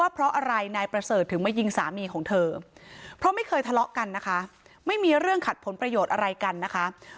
พออะไรท่านประเสริฐมายิงสามีเธอเพราะไม่เคยทะเลาะกันความขัดผลประโยชน์ไปยังไง